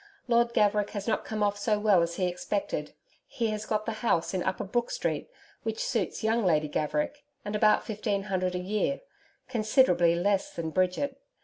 Lord Gaverick has not come off so well as he expected. He has got the house in Upper Brook Street, which suits young Lady Gaverick, and about fifteen hundred a year considerably less than Bridget.